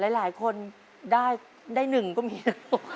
หลายคนได้๑ก็มีแล้ว